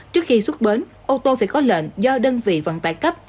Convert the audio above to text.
trước khi xuất bến ô tô phải có lệnh do đơn vị vận tải cấp